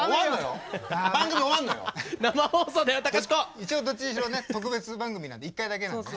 一応どっちにしろ特別番組なんで１回だけなんでね。